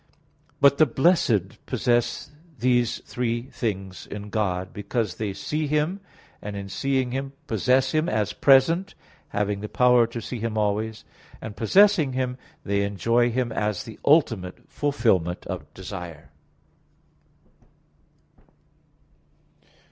But the blessed possess these three things in God; because they see Him, and in seeing Him, possess Him as present, having the power to see Him always; and possessing Him, they enjoy Him as the ultimate fulfilment of desire.